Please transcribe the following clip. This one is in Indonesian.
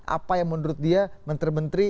apa yang menurut dia menteri menteri